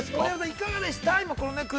◆いかがでしたか。